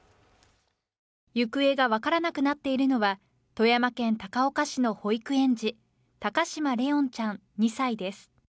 行方が分からなくなっているのは、富山県高岡市の保育園児、高嶋怜音ちゃん２歳です。